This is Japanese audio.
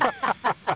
ハハハハ。